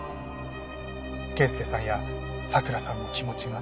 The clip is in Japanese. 慶介さんや佐倉さんの気持ちが。